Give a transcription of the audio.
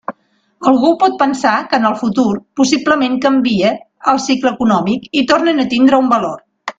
Algú pot pensar que en el futur possiblement canvie el cicle econòmic i tornen a tindre un valor.